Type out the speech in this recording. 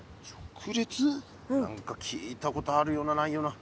何か聞いたことあるようなないような。